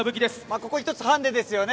ここ一つ、ハンデですよね。